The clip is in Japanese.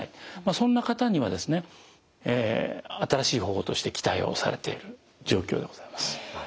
そんな方にはですね新しい方法として期待をされている状況でございます。